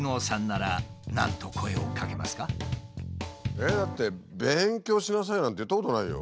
えっだって勉強しなさいなんて言ったことないよ。